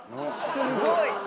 すごい！